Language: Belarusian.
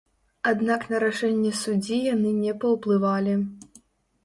Аднак на рашэнне суддзі яны не паўплывалі.